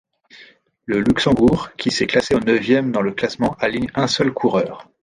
Le Luxembourg qui s'est classé neuvième dans le classement aligne un seul coureur.